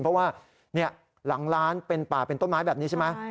เพราะว่าหลังร้านเป็นป่าเป็นต้นไม้แบบนี้ใช่ไหม